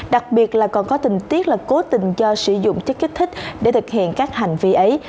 đặc biệt là còn có tình tiết là cố tình cho sử dụng chất kích thích để thực hiện các hành vi ấy